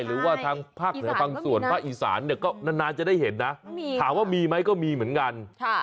หรือว่าทางภาคเหละฝั่งส่วนพระอิสานก็นานจะได้เห็นนะถามว่ามีมั้ยก็มีเหมือนกัน